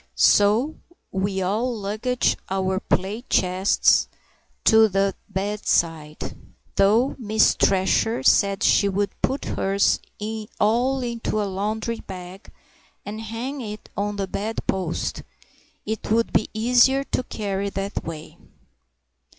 So we all lugged our plate chests to the bedside; though Miss Thresher said she should put hers all into a laundry bag and hang it on the bedpost; it would be easier to carry that way.